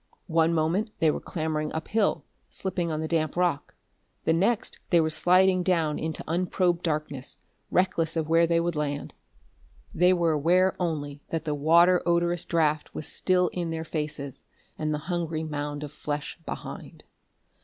One moment they were clambering up hill, slipping on the damp rock; the next they were sliding down into unprobed darkness, reckless of where they would land. They were aware only that the water odorous draft was still in their faces, and the hungry mound of flesh behind....